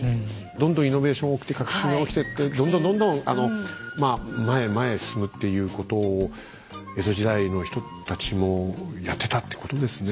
どんどんイノベーション起きて革新が起きてってどんどんどんどんあのまあ前へ前へ進むっていうことを江戸時代の人たちもやってたってことですね。